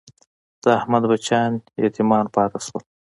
د احمد بچیان یتیمان پاتې شول.